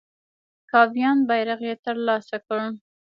کاویان بیرغ یې تر لاسه کړ.